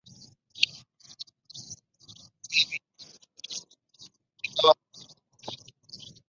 The series is the first time since "Firehouse Tales" that Warner Bros.